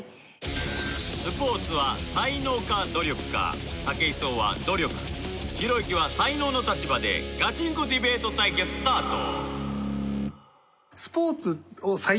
スポーツは才能か努力か武井壮は努力ひろゆきは才能の立場でガチンコディベート対決スタート！